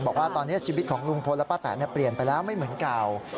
บอกว่าตอนนี้ชีวิตของลุงพลและป้าแตนเปลี่ยนไปแล้วไม่เหมือนเก่า